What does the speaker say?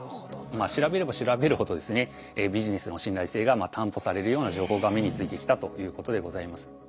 まあ調べれば調べるほどですねビジネスの信頼性が担保されるような情報が目に付いてきたということでございます。